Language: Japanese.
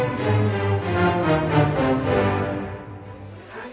はい。